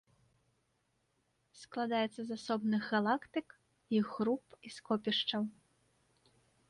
Складаецца з асобных галактык, іх груп і скопішчаў.